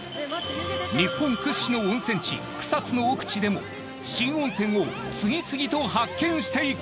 日本屈指の温泉地草津の奥地でも新温泉を次々と発見していく。